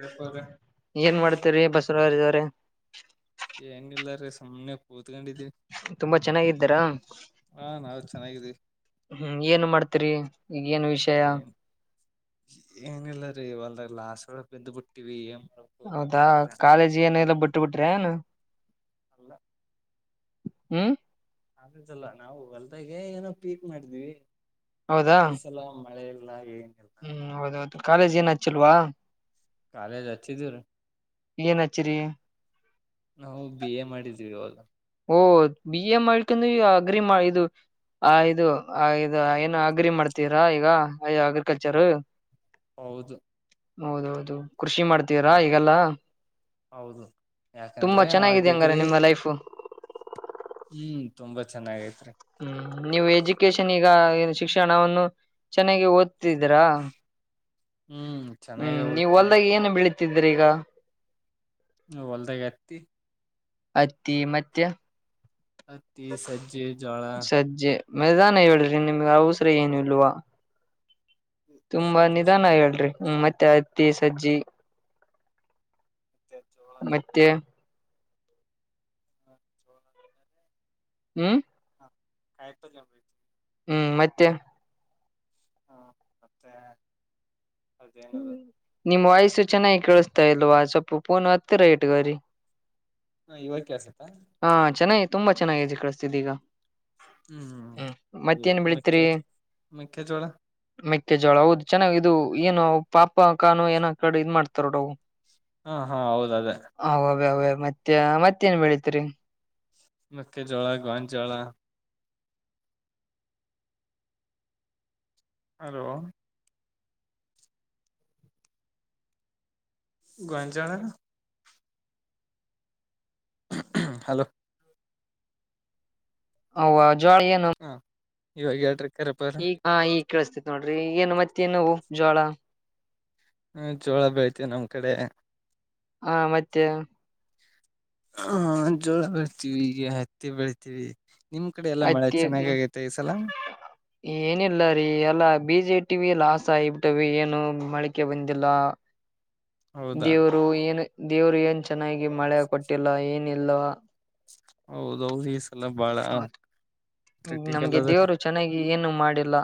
ವ್ಯಾಪಾರ ಏನ್ ಮಾಡ್ತೀರಿ ಬಸವರಾಜ್ ಅವರೇ ಏನು ಇಲ್ಲಾರಿ ಸುಮ್ನೆ ಕೂತಿದ್ದೆ ತುಂಬಾ ಚೆನ್ನಾಗಿದ್ದಾರ ಹಾ ನಾವ್ ಚೆನ್ನಾಗಿದೀವಿ ಹ್ಮ ಏನು ಮಾಡ್ತೀರಿ ಈಗ ಏನ್ ವಿಷಯ ಏನ್ ಏನಿಲ್ಲಾರೀವಲ್ಲ ನಾವ ಬಂದು ಪುಟ್ಟಿವಿ ಹೌದಾ ಕಾಲೇಜ್ ಏನಲ್ಲ ಬಿಟ್ಟ ಬಿಟ್ರೆಏನು ಅಲ್ಲ ಹ್ಮ ಆದದಲ್ಲ ನಾವು ಹೊಲ್ದಾಗೆ ಏನೋ ಪೀಕ್ ಮಾಡಿದೀವಿ ಹೌದಾ ಇ ಸಲಾಮ ಮಳೆಯ ಇಲ್ಲಾ ಏನಿಲ್ಲ ಹ್ಮ್ ಹೌದೌದು ಕಾಲೇಜ್ ಏನ್ ಹಚ್ಚಿಲ್ವಾ ಕಾಲೇಜ ಅಚ್ಚಿ ದೂರ ಏನ್ ಹಚ್ಚಿರಿ ನಾವು ಬಿ ಎ ಮಾಡಿದ್ವಿ ಅವಲ್ಲ ಓಹ ಬಿ ಎ ಮಾಡ್ಕೊಂಡ ಈ ಅಗ್ರಿ ಮಾಡ ಇದು ಆ ಇದು ಇ ಏನ ಅಗ್ರಿ ಮಾಡ್ತೀರಾ ಈಗ ಅಯ ಆಗ್ರಿಕಲ್ಚರ್ ಹೌದು ಹೌದೌದು ಕೃಷಿ ಮಾಡ್ತೀವರಾ ಹ ಈಗೆಲ್ಲ ಹೌದು ತುಂಬಾ ಯಾಕಂದ್ರೆ ಆ ಚೆನ್ನಾಗಿದೆ ಹಂಗಾರೆ ಡಿಗ್ರಿ ನಿಮ್ಮ ಲೈಫು ಹ್ಮ್ ತುಂಬಾ ಚೆನ್ನಾಗೈತಿ ಹ್ಮ್ ನೀವು ಎಜುಕೇಶನ್ ಈಗ ಶಿಕ್ಷಣವನ್ನು ಚೆನ್ನಾಗಿ ಓದ್ತಿದ್ರಾ ಹ್ಮ್ ಚೆನ್ನಾಗ ಹ್ಮ್ ನೀವು ಓದ್ತಿವಿ ಹೊಲ್ದಾಗ ಏನು ಬೆಳತಿ ದ್ರೀಗ ಹ ಹೊಲದಾಗತ್ತಿ ಅತ್ತಿ ಮತ್ತೆ ಅತಿ ಸಜ್ಜೆ ಜೋಳ ಸಜ್ಜೆ ನಿದಾನ ಹೇಳ್ರಿ ನಿಮ್ಗೆ ಅವಸರ ಏನು ಇಲ್ವಾ ಇದು ತುಂಬಾ ಸಜ್ಜೆ ನಿಧಾನ ಸಜ್ಜೆ ಹೇಳ್ರಿ ಬರ್ತದೆ ಸಾಂಗ್ ಮತ್ತೆ ಅತ್ತ ಸಜ್ಜೆ ಮತ್ತೆ ಜೋಳ ಮತ್ತೆ ಹ ಚೋಲ ಅಂತೆ ಹ್ಮ್ ಕಾಯಪಲ್ಯ ಹ್ಮ್ ಮತ್ತೆ ಹ್ಮ ಮತ್ತೆ ಅದೇನದು ನಿಮ್ಮ್ ವಾಯ್ಸ್ ಚೆನ್ನಾಗಿ ಕೇಳಿಸತಾ ಇಲ್ವವಾ ತಪ್ಪಫೋನ್ ಅತ್ತ ರ ಇಟ್ ಗರಿ ಹ ಇವಾಗ ಕೇಳ್ಸತ್ತಾ ಹಾ ಚೆನ್ನಾಗಿ ತುಂಬಾ ಚೆನ್ನಾಗಿದೆ ಕ ಸಿದಗ ಹ್ಮ್ ಮೆ ಬೆಳಿತೀರಿ ಮೆಕ್ಕೆಜೋಳ ಜೋಳ ಹೌದು ಚೆನ್ನಾಗ ಇದು ಏನು ಪಾಪ ಅ ಕಾನು ಏನ ಕಡೆ ಇದ್ ಮಾಡ್ತಾರೋವು ಹಾ ಹಾ ಹೌದ ಅದೇ ಅವೇ ಅವೇ ಮತ್ತೆ ಮತ್ತೇಏನ್ ಬೆಳತ್ರಿ ಮಕ್ಕೆೆ ಜೋಳ ಗಾನ್ ಜೋಳ ಹಲೋ ಗುಂಚಳ ಹಲೋ ಹಾ ಜೋಳ ಏನು ಹ ಇವಾಗ ಹೇಳ್ರಿ ಕರಪರ್ ಈ ಹಾ ಈಗ ಕೇಳಸ್ತೇತ್ ನೋಡ್ರಿ ಏನು ಮತ್ತೆ ನಾವು ಜೋಳ ಹ್ಮ ಜೋಳ ಬೆಳ್ತವಿ ನಮ್ ಕಡೆ ಹಾ ಮತ್ತೆ ಹಾ ಜೋಳ ಬೆಳಿತೀವಿ ಈಗ ಹತ್ತಿ ಬೆಳಿತೀವಿ ನಿಮ್ ಕಡೆ ಎಲ್ಲ ಮಳೆ ಹತ್ತಿ ಚೆನ್ನಾಗಗೈತೆ ಈ ಸಲ ಏನಿಲ್ಲ ರೀ ಎಲ್ಲಾ ಬಿಜೆ ಟಿ ವಿ ಲ ಆಸೆ ಆಗಿಬಟ್ಟವಿ ಏನು ಮಳಿಕೆ ಬಂದಿಲ್ಲ ಹೌದಾ ದೇವ್ರು ಏನು ದೇವ್ರಿಚ್ ಚೆನ್ನಾಗಿ ಮಳೆ ಕೊಟ್ಟಿಲ್ಲ ಏನು ಇಲ್ಲವ ಹೌದೌದು ಈ ಸಲ ಬಾಳ ಹೌದು ಪ್ರಾಕ್ಟಿಕಲ್ ನಮ್ಗೆ ಅದ ದೇವರು ಚೆನ್ನಾಗಿ ಏನು ಮಾಡಿಲ್ಲ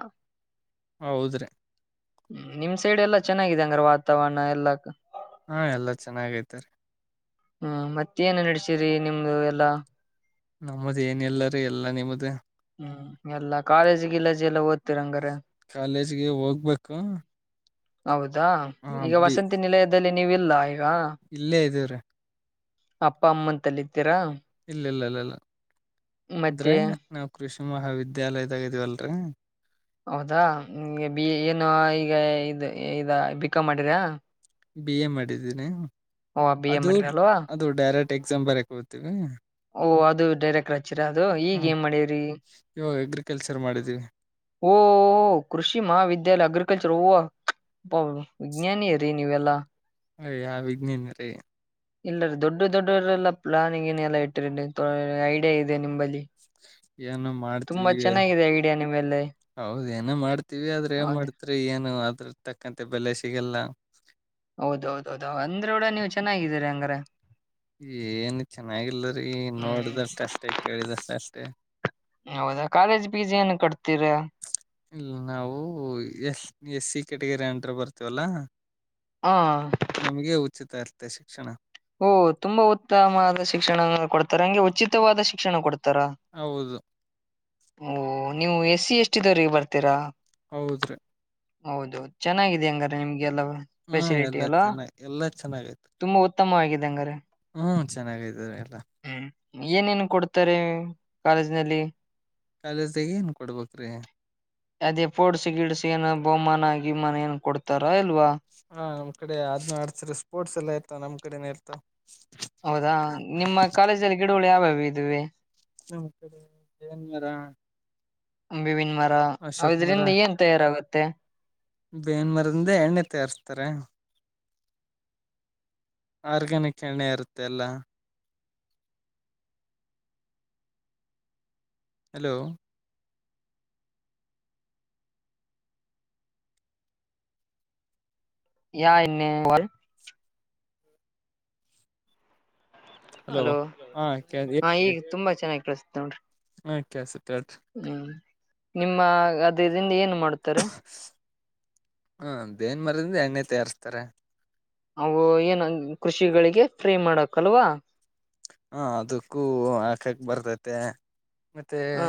ಹೌದ್ರಿ ನಿಮ್ ಸೈಡ್ ಎಲ್ಲಾ ಚೆನ್ನಾಗಿದೆ ಅಂಗ್ರ ವಾತಾವರಣ ಎಲ್ಲಾಕ್ಕ ಹಾ ಎಲ್ಲಾ ಚೆನ್ನಾಗೈತೆ ಹ್ಮ ಮತ್ತೇಏನ್ ನಡೆಸಿರಿ ನಿಮ್ದು ಎಲ್ಲಾ ನಮ್ಮದ ಏನ್ ಎಲ್ಲಾರ ಎಲ್ಲಾ ನಿಮ್ದೇ ಹ್ಮ್ ಎಲ್ಲ ಕಾಲೇಜಿಗ ಇಲ್ಲಜೆ ಎಲ್ಲ ಓದ್ತೀರ ಹಂಗಾರೆ ಕಾಲೇಜ್ಗೆ ಹೋಗ್ಬೇಕು ಹೌದು ಹೌದ ಹ ಈಗ ಬಿ ವಸಂತಿ ನಿಲಯದಲ್ಲಿ ನೀವಿಲ್ಲ ಈಗ ಇಲ್ಲೇ ಇದೀವಿರಿ ಅಪ್ಪ ಅಮ್ಮ ಅಂತಲ್ಲಿ ಇಲ್ಲ ಇಲ್ಲ ಇಲ್ಲ ಇಲ್ಲ ಮತ್ತೆ ಅಂದ್ರೆ ನಾವು ಕೃಷಿ ಮಹಾವಿದ್ಯಾಲಯದಾಗ ಇದೀವಲ್ರರಿ ಈ ಇ ಇದ ಬಿ ಕಂ ಮಾಡಿರ ಬಿ ಎ ಮಾಡಿದ್ದೀನಿ ಓ ಬಿ ಎ ಅದು ಮಾಡಿರಿ ಅಲ್ವಾ ಅದು ಡೈರೆಕ್ಟ್ ಎಕ್ಸಾಮ್ ಬರಿಯೋಕೆ ಹೋಗ್ತೀರಾ ಓಹ ಅದು ಡೈರೆಕ್ಟರ್ ಹಚ್ಚಿರ ಅದು ಈಗ ಹ ಏನ್ ಮಾಡ್ಯ್ರಿ ಇವಾಗ ಅಗ್ರಿಕಲ್ಚರ್ ಮಾಡಿದೀವಿ ಓ ಕೃಷಿ ಮಹಾವಿದ್ಯಾಲಯ ಅಗ್ರಿಕಲ್ಚರ್ ಓಹೋ ಓ ವಿಜ್ಞಾನಿ ನೀವೆಲ್ಲಾ ಅಯ ಯಾವ ವಿಗ್್ನೇನ್ ರೀ [unintelligible] ಇಲ್ಲ ರೀ ದೊಡ್ಡ ದೊಡ್ಡವ್ರ ಎಲ್ಲ ಪ್ಲಾನ್ ಗಿನ್ ಎಲ್ಲಾ ಇಟ್ಟಿರಿ ಐಡಿಯಾ ಇದೆ ನಿಮ್ಮಲ್ಲಿ ಏನು ಮಾಡ್ತವಿ ಚೆನ್ನಾಗಿದೆ ಐಡಿಯಾ ನಿಮ್ಮಲ್ಲಿ ಹೌದ ಏನ ಮಾಡ್ತೀವಿ ಆದ್ರ ಏನ್ ಹೌದ ಮಾಡ್ತ್ರಿ ಏನು ಆದ್ರ ತಕ್ಕಂತೆ ಬೆಲೆ ಸಿಗಲ್ಲ ಹೌದೌದೌದ ಅಂದ್ರೆ ಕೂಡ ನೀವ್ ಚೆನ್ನಾಗಿದೀರಿ ಹಂಗಾರ ಏನ್ ಚೆನ್ನಾಗಿಲ್ರಿ ಹ್ಮ್ ನೋಡ್ದಷ್ಟ ಅಷ್ಟೇ ಕೇಳಿದಷ್ಟ ಅಷ್ಟೇ ಹೌದಾ ಕಾಲೇಜ್ ಪೀಸ್ ಏನು ಕಟ್ತೀರಾ ಇಲ್ಲ ನಾವು ಎಸ್ ಎಸ್ ಸಿ ಕ್ಯಾಟಗರಿ ಅಟ್ರ ಬರ್ತೇವಲ್ಲಾ ಹ ನಮ್ಗೆ ಉಚಿತ ಇರ್ತ ಶಿಕ್ಷಣ ಓ ತುಂಬಾ ಉತ್ತಮವ ಶಿಕ್ಷಣ ಕೊಡ್ತಾರೆ ಹಂಗೆ ಉಚಿತವಾದ ಶಿಕ್ಷಣ ಕೊಡ್ತಾರೆ ಹೌದು ಓಹ ನೀವು ಎಸ್ ಸಿ ಎಷ್ಟಿದವ್ರಿಗೆ ಬರ್ತೀರಾ ಹೌದ್ರಿ ಹೌದು ಚೆನ್ನಾಗಿದೆ ಹಂಗಾರೆ ನಿಮ್ಗೆ ಎಲ್ಲ ಹ್ಮ್ ಎಲ್ಲ ಚೆನ್ನಾ ಎಲ್ಲ ಚೆನ್ನಾಗಾಯ್ತು ತುಂಬಾ ಉತ್ತಮವಾಗಿದೆ ಅಂಗಾರೆ ಎಲ್ಲಾ ಹ್ಮ್ ಏನೇನು ಕೊಡ್ತಾರೆ ಕಾಲೇಜಿನಲ್ಲಿ ಕಾಲೇಜ್ದಗ ಏನ್ ಕೊಡ್ಬೇಕ್ರಿ ಅದೇ ಫೋರ್ಡ್ಸ್ ಗಿಡಸ ಏನೋ ಬಹುಮಾನ ಅಗಿಮನ ಏನು ಕೊಡತ್ತಾರ್ ಹಾ ನಮ್ ಕಡೆ ಅದ್ನ ಆಡ್ಸ್ರ ಸ್ಪೋರ್ಟ್ಸ್ ಎಲ್ಲ ಆಯ್ತಾ ನಮ್ ಕಡೆ ನೆರ್ತ ಹೌದಾ ನಿಮ್ಮ ಕಾಲೇಜಲ್ಲಿ ಗಿಡಗಳು ಯಾವ್ಯಾವ ವಿದವಿ ನಮ್ ಕಡೆ ಬೇವಿನ ಮರ ಬೇವಿನ್ ಮರ ಅಶೋಕ್ ಅದ್ರಿಂದ ಏನ್ ತಯಾರಾಗುತ್ತೆ ಬೇವಿನ್ ಮರದಿಂದ ಎಣ್ಣೆ ತಯಾರಸ್ತಾರೆ ಆರ್ಗ್ಯಾನಿಕ್ ಎಣ್ಣೆ ಇರುತ್ತೆಲ್ಲ ಹಲೋ ಯಾ ಎಣ್ಣೆ ಒಲ್ ಹಲೋ ಹಾ ಹಾ ಈಗ ತುಂಬಾ ಚೆನ್ನಾಗಿ ಪ್ರಸ್ತ ಉಂ [unintelligible] ಹಾ ಕಸತ್ ಅತ್ ನಿಮ್ಮಅದ್ ಅದರಿಂದ ಏನ್ ಮಾಡ್ ಮಾಡ್ತಾರೆ. ಹಾ ಬೇವಿನ್ ಮರದಿಂದ ಎಣ್ಣೆ ತಯಾರಸ್ತಾರೆ. ಅವು ಏನ ಕೃಷಿಗಳಿಗೆ ಫ್ರೇ ಮಾಡಕಲ್ವಾ. ಹ ಅದಕ್ಕೂ ಹಾಕಕ್ ಬರ್ತೈತೆ. ಮತ್ತೆ ಹ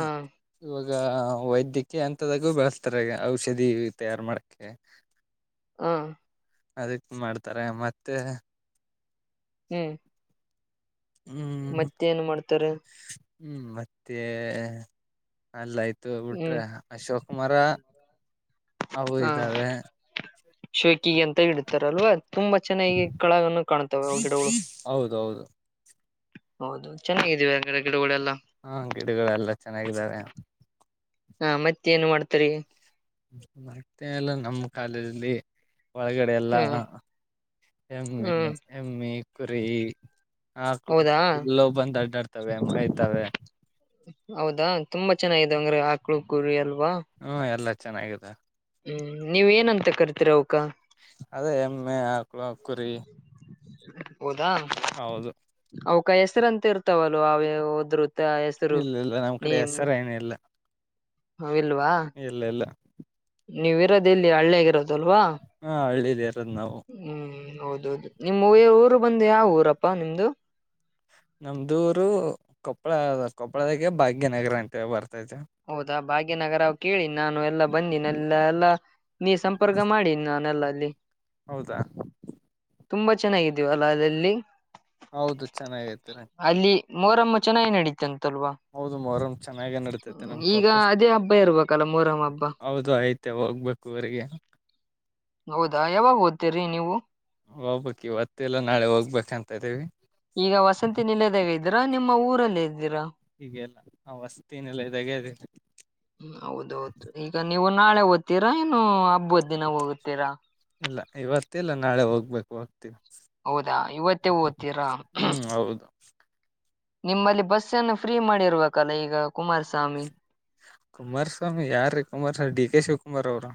ಇವಾಗ. ಈಗ ವೈದ್ಯಕೀಯ ಹಂತದಗೂ ಬಳಸ್ತಾರೆ ಔಷಧಿ ತಯಾರ್ ಮಾಡಕ್ಕೆ. ಹಾ. ಅದಕ್ ಮಾಡ್ತಾರೆ ಮತ್ತೆ. ಹ್ಮ್. ಹ್ಮ್ ಮತ್ತೆನ್ ಮಾಡ್ತಾರೆ. ಹ್ಮ್ ಮತ್ತೆ ಅಲ್ಲ ಆಯ್ತು. ಬಿಟ್ರೆ ಹ್ಮ್ ಅಶೋಕಮರ. ಅವು ಹ ಇದಾವೆ. ಶೋಕಿಗೆ ಅಂತ ಇಡ್ತಾರಲ್ವಾ. ತುಂಬಾ ಚೆನ್ನಾಗಿ ಕಳಗನು ಕಾಣ್ತವೆ ಅವು ಗಿಡಗಳು. ಹೌದೌದು ಹೌದು ಚೆನ್ನಾಗಿದ್ದೀವಿಡೆ. ಹಾ ಗಿಡಗಳು ಎಲ್ಲ ಚೆನ್ನಾಗಿದಾವೆ. [inaudible] ಹಾ ಮತ್ತೆ ಏನ್ ಮಾಡ್ತರ ಈಗ ಮತ್ತೆ ಅಲ್ಲ ನಮ್ಮ್ ಕಾಲೇಜಲ್ಲಿ. ಒಳಗಡೆ ಎಲ್ಲ ಹ್ಮ್ ಎಮ್ಮೆ ಹ್ಮ್ ಎಮ್ಮೆ. ಕುರಿ. ಹಾ ಹೌದಾ ಎಲ್ಲವೂ ಬಂದು ಅಡ್ಡಾಡತವೇ. ಅಡ್ಡಾಡ್ತವೆ ಮೇಯತವೇ. ಹೌದಾ ತುಂಬಾ ಚೆನ್ನಾಗಿದೆ ಹಂಗಾರೆ ಆಕಳು ಕುರಿ ಎಲ್ಲಾ ಹ್ಮ ಎಲ್ಲಾ. ಚೆನ್ನಾಗಿದೆ. ಹ್ಮ ನೀವ್ ಏನಂತ ಕರ್ತೀರ ಅವಕ್ಕ. ಅದೇ ಎಮ್ಮೆ ಆಕಳ ಕುರಿ. ಹೌದಾ ಅವುಕ್. ಹೌದು ಅವುಕ್ಕ ಹೆಸರು ಅಂತ ಇರ್ತವಲ್ ಅವೇ ಹೋದ್ರು. ಇಲ್ಲ ಇಲ್ಲ ನಮ್ಮ್ ಕಡೆ ಹೆಸರೇ ಏನ ಇಲ್ಲ ಇಲ್ಲ ಇಲ್ಲ. ನೀವು ಇರೋದ್ ಎಲ್ಲಿ ಹಳ್ಳೇಗಿರೋದು. ದಲ್ವಾ ಹಾ ಹಳ್ಳಿಲಿ ಇರೋದ್ ನಾವು ಹ್ಮ. ಹೌದೌಹೌದು ನಿಮ್ಮ್ ಊರು ಬಂದು ಯಾವ ಊರಪ್ಪ ನಿಮ್ದು. ನಮ್ದೂರು ಕೊಪ್ಪಳ ಕೊಪ್ಪಳಕ್ಕೆ ಭಾಗ್ಯನಗರ ಅಂತ ಬರುತ್ತೆ. ಹೌದಾ ಭಾಗ್ಯನಗರ ಕೇಳಿ ನಾನು ಎಲ್ಲಾ ಬಂದೀನ ಎಲ್ಲ ಎಲ್ಲಾ ನೀ ಸಂಪರ್ಕ ಮಾಡೀನಿ ನಾನೆಲ್ಲ ಅಲ್ಲಿ ಹೌದಾ ತುಂಬಾ ಚೆನ್ನಾಗಿದೀವ ಅಲ್ಲ ಅಲ್ಲಲ್ಲಿ ಹೌದು ಚೆನ್ನಾಗಿೈತ್ತು ಅಲ್ಲಿ ಮೋರಮ್ಮ ಚೆನ್ನಾಗಿಏ ನಡೀಿತಂತೆ. ಹೌದು ಮರ ಚೆನ್ನಾಗೇ ನಡತೈತೆ ನಮ ಈಗ ಕಪ ಅದೇ ಹಬ್ಬ ಇರ್ಬೇಕಲ್ಲ ಮೊಹರಂ ಹಬ್ಬ ಹೌದು ಐತೆ ಹೋಗ್ಬೇಕು ಅವರಿಗೆ ಹೌದಾ ಯಾವಾಗ ಓದ್ತೀರಿ ನೀವು ಹೋಗ್ಬೇಕು ಇವತ್ತ ಎಲ್ಲ ನಾಳೆ ಹೋಗ್ಬೇಕ ಅಂತ ಇದ್ದೀವಿ. ಇದೀರಾ ನಿಮ್ಮ ಊರಲ್ಲಿ ಇದ್ದೀರಾ. ಹೀಗೆಲ್ಲ ಆ ವಸ್ತಿನಲ್ಲ ಇದಾಗದಿಲ್ಲ. ಹ ಹೌದೌದು ಈಗ ನೀವು. ನಾಳೆ ದ್ತೀರಾ ಏನು. ಹಬ್ಬದ ದಿನ ಹೋಗುತ್ತೀರಾ ಇಲ್ಲ ಇವತ್ತೆಲ್ಲ ನಾಳೆ ಹೋಗ್. ಬರಕು ಆಗ್ತಿಲ್ಲ ಹೌದಾ ಇವತ್ತೇ ಓದ್ತೀರಾ. ಹ್ಮ್ [inaudible] ನಿಮ್ಮಲ್ಲಿ ಬಸ್ನ್ನು ಫ್ರೀ ಮಾಡಿರ್ಬೇಕಲ್ಲ ಈಗ. ಕುಮಾರಸ್ವಾಮಿ. ಕುಮಾರಸ್ವಾಮಿ ಯಾರ ರೀ ಕುಮಾರಸ್ವಾಮಿ ಡಿ ಕೆ ಶಿವಕುಮಾರ್ ಅವರು.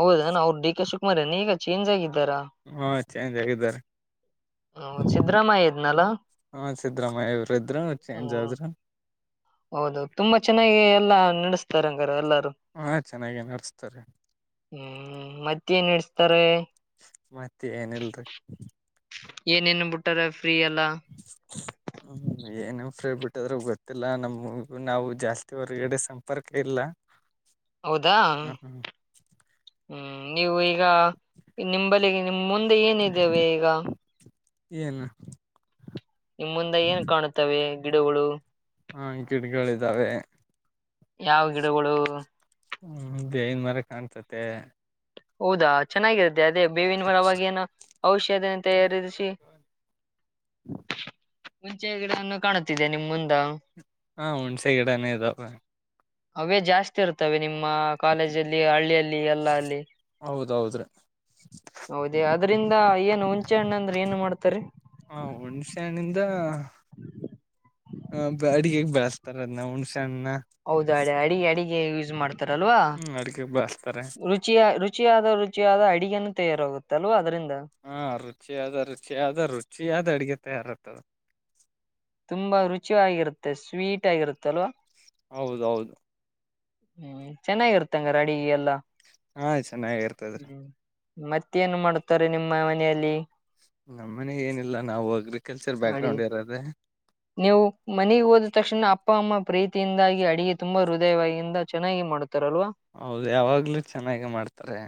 ಹೌದಣ ಅವರು ಡಿ ಕೆ ಶುಮಾರ್ಯನ ಈಗ ಚೇಂಜ್ ಆಗಿದ್ದ. ರ. ಹಾ ಚೇಂಜ್ ಆಗಿದ್ದಾರೆ. ಸಿದ್ದರಾಮಯ್ಯ ಇದ್ನಲ್ಲ ಹಾ ಸಿದ್ದರಾಮಯ್ಯ ಇವರು ಇದ್ರು ಚೇಂಜ್ ಹ್ಮ ಆದ್ರ. ಹೌದು ತುಂಬಾ ಚೆನ್ನಾಗಿ ಎಲ್ಲಾ ನಡೆಸ್ತಾರೆ ಹಂಗಾರ ಎಲ್ಲಾರ. ಹಾ ಚೆನ್ನಾಗೇ ನಡೆಸ್ತಾರೆ. ಹ್ಮ್ ಮತ್ತೆ ಏನ್ ನಡ್ಸ್ತಾರೆ. ಮತ್ತೆ ಏನಲ್ರಿ. ಏನೇನ್ ಬಿಟ್ಟಾರ. ಫ್ರೀ ಎಲ್ಲ ಹ. ಏನಮ್ ಫ್ರೆಂಡ್ ಬಿಟ್ಟದ್ರ ಗೊತ್ತಿಲ್ಲ ನಮಗ ನಾವು ಜಾಸ್ತಿ ಹೊರ್ಗಡೆ ಸಂಪರ್ಕ ಇಲ್ಲ. ಹೌದಾ. ಹ ಹ್ಮ ಹ್ಮ್ ನೀವು. ಈಗ ನಿಂಬಲ್ಲಿ ನಿಮ ಮುಂದೆ ಏನಿದ್ದೇವೆ ಈಗ. ಏನು. ಇಮ ಮುಂದೆ ಏನ್ ಕಾಣುತ್ತವೆ. ಗಿಡಗಳು. ಹಾ ಗಿಡ್ಗಳಿದಾವೆ. ಯಾವ ಗಿಡಗಳು ಹ್ಮ ದೇಹನ್ ಮರ ಕಾಣ್ಸತ್ತ. ಹೌದಾ ಚೆನ್ನಾಗಿರುತ್ತೆ. ಬೇವಿನ ಪರವಾಗಿನ ಔಷಧ ತಯಾರಿಸಿ ಮುಂಚೆ ಗಿಡನ್ನು ಕಾಣುತ್ತಿದೆ ನಿಮ್ ಮುಂದ ಹಾ ಹುಣ್ಣಸೆ ಗಿಡಾನ ಇದು ಅವೇ ಜಾಸ್ತಿ ಇರ್ತವೆ ನಿಮ್ ಕಾಲೇಜಲ್ಲಿ ಹಳ್ಳಿಯಲ್ಲಿ ಎಲ್ಲ ಅಲ್ಲಿ ಹೌದೌದ್ರೀ ಹೌದ ಅ ಇದರಿಂದ ಏನು ಹುಂಚೆ ಹಣ್ಣ ಅಂದ್ರೆ ಏನ್ ಮಾಡ್ತರಿ ಹುಣ್ಸೆ ಹಣ್ಣಿಂದ ಹ ಅಡಿಗೆಗ್ ಬೆಳಸ್ತಾರದ ನ ಹುಣಸ. ಹೌದ ಅ ಅಡಿ ಅಡ. ಯೂಸ್ ಮಾಡ್. ಲ್ವಾ ಹ್ಮ್ ಅಡಿಗೆಗ್ ಬೆಳಸ್ತಾರೆ ರುಚಿಯ ರುಚಿಯಾದ ರುಚಿಯಾದ ಅಡಿಗೆನು ತಯಾರಾಗುತ್ತ ಲ್ವಾ ಅದ್ರಿಂದ ಹಾ ರುಚಿ ಆದ ರುಚಿ ಆದ ರುಚಿ ಆದ ಅಡ್ಗೆ ತಯಾರ ತ್ತ ತುಂಬಾ ರುಚಿ ಆಗಿರುತ್ತೆ ಸ್ವೀಟ್ ಆಗಿರುತ್ತೆ ಅಲ್ವಾ ಹೌದೌದು ಹ್ಮ್ ಚೆನ್ನಾಗಿರ್ತಂಗ ರ ಅಡ ಎಲ್ಲಾ ಹಾ ಚೆನ್ನಾಗ ಇರ್ತದ್ರಿ ಮತ್ತೇಏನ್ ಮಾಡತಾರೆ ನಿಮ್ಮ ಮನೆಯಲ್ಲಿ ನಮ್ಮ ಮನೆ ಏನಿಲ್ಲ ನಾವು ಅಗ್ರಿಕಲ್ಚರ್ ಬ್ಯಾಕ್ ಅಡಿ ಗ್ರೌಂಡ್ ಯಾರದೇ ನೀವು ಮನೆಗೆ ಹೋದ ತಕ್ಷಣ ಅಪ್ಪ ಅಮ್ಮ ಪ್ರೀತಿಯಿಂದಾಗಿ ಅಡಗೆ ತುಂಬಾ ಹೃದಯವಾಗಿಂದ ಚೆನ್ನಾಗಿ ಮಾಡುತ್ತ ಹೌದು ಯಾವಾಗ್ಲೂ ಚೆನ್ನಾಗಿ ಮಾಡ್ತಾರೆ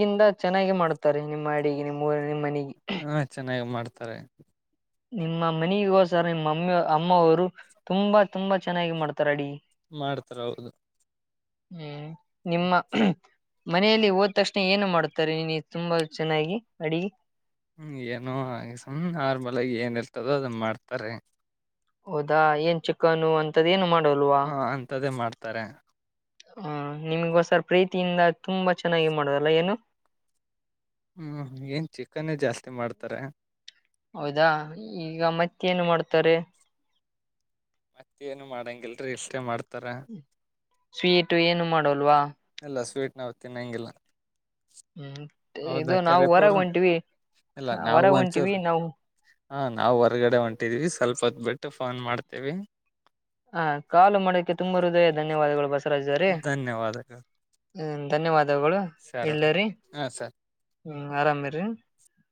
ಯಿಂದ ಚೆನ್ನಾಗಿ ಮಾಡ್ತಾರೆ ನಿಮ್ಮ್ ಅಡಗೆ ನಿಮ್ಮ್ ಊ ನಿಮ್ಮ ಮನೆಗೆ ಹಾ ಚೆನ್ನಾಗಿ ಮಾಡ್ತಾರೆ ನಿಮ್ಮ ಮನೆಗ ಸರ್ ನಿಮ್ಮ ಮಮ್ಮಿ ಅಮ್ಮ ಅವರು ತುಂಬಾ ತುಂಬಾ ಚೆನ್ನಾಗಿ ಮಾಡ್ತಾರೆ ಅಡಿ ಮಾಡ್ತಾರ ಹೌದು ಹ್ಮ್ ನಿಮ್ಮ ಮನೆಯಲ್ಲಿ ಹೋದ ತಕ್ಷಣ ಏನು ಮಾಡ್ತಾರೆ ನೀ ತುಂಬಾ ಚೆನ್ನಾಗಿ ಅಡಿಗೆ ಹ್ಮ್ ಏನು ಹಾಗ ಸುಮ್ ನಾರ್ಮಲ್ ಆಗಿ ಏನ ಇರ್ತದೋ ಅದನ್ನ ಮಾಡ್ತಾರೆ ಹೌದಾ ಏನ್ ಚಿಕನು ಅಂತದ ಏನು ಮಾಡ್ ಹಾ ಅಂತ್ದೇ ಮಾಡ್ತಾರೆ ಹ ನಿಮಗೋಸರ್ ಪ್ರೀತಿಯಿಂದ ತುಂಬಾ ಚೆನ್ನಾಗಿ ಮಾಡದಲ್ಲ ಏನು ಹ್ಮ್ ಏನ್ ಚಿಕನೇ ಜಾಸ್ತಿ ಮಾಡ್ತಾರೆ ಹೌದಾ ಈಗ ಮತ್ತೆೇನು ಮಾಡ್ತಾರೆ ಮತ್ತ ಏನು ಮಾಡಂಗಿಲ್ರಿ ಇಷ್ಟೇ ಮಾಡ್ತ [unintelligible] [unintelligible] ಏನು ಮಾಡೋಲ್ವಾ ಆ ಸ್ವೀಟ್ ನಾವು ತಿನ್ನಂಗಿಲ್ಲಾ. ಹ್ಮ್ ಹೌದಾ ಇದು ನಾವು ಕರೆಪ್ಪ ಹೊರಗ್ ಅವರು ಹೊಂಟಿವಿ ಇಲ್ಲಾ ನಾವು ಹೊರಗ್ ಹೊಂಟಿವಿ ಒಂಚೂರು ನಾವು ಹ ನಾವ್ ಹೊರ್ಗಡೆ ಹೊಂಟಿದೀವಿ ಸ್ವಲ್ಪ ಹೊತ್ ಬಿಟ್ಟು ಫೋನ್ ಮಾಡ್ತವಿ. [unintelligible] ಹಾ ಕಾಲು ಮಡಕೆ ತುಂಬಾ ಹೃದಯ ಧನ್ಯವಾದಗಳು ಬಾಸ್. ಧನ್ಯವಾದಗಳು ಧನ್ಯವಾದ ಗಳು ಸರ್ ಇಳ್ಳರಿ ಹಾ ಸರ್ ಹ್ಮ್ ಆರಾಮೇರಿ